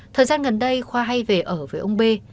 thời gian gần đây khoa hay về ở với ông bê